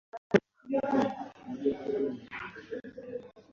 ntakintu cyashoboraga kubuza umutima wanjye kumeneka, ariko byagombaga gukorwa